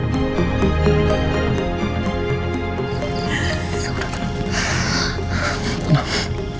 ya udah tenang